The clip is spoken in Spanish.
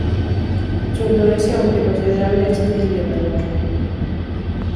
Su influencia, aunque considerable, es difícil de evaluar.